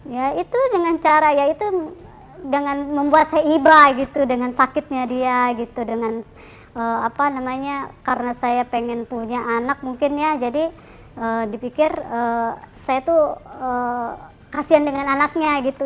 ya itu dengan cara ya itu dengan membuat saya ibrahi gitu dengan sakitnya dia gitu dengan apa namanya karena saya pengen punya anak mungkin ya jadi dipikir saya tuh kasian dengan anaknya gitu